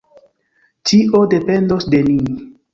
Tio dependos de ni!